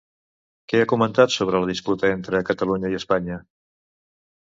Què ha comentat sobre la disputa entre Catalunya i Espanya?